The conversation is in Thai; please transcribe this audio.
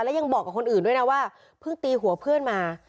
แล้วยังบอก๗๕๒ด้วยนะว่าเพิ่งตีหัวเพื่อนมา